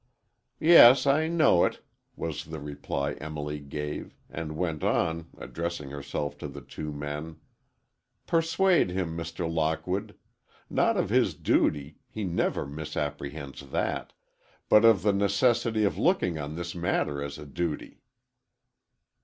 "Yes, I know it," was the reply Emily gave, and went on, addressing herself to the two men. "Persuade him, Mr. Lockwood. Not of his duty, he never misapprehends that, but of the necessity of looking on this matter as a duty."